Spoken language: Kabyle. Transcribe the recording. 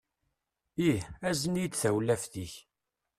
Ih. Azen-iyi-d tawlaft-ik.